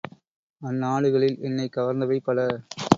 அந்நாடுகளில் என்னைக் கவர்ந்தவை பல.